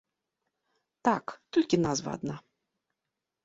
Так, толькі назва адна.